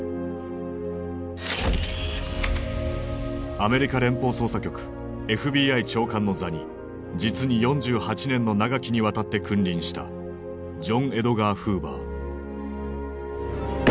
アメリカ連邦捜査局ＦＢＩ長官の座に実に４８年の長きにわたって君臨したジョン・エドガー・フーバー。